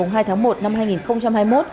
ngày hai tháng một năm hai nghìn hai mươi một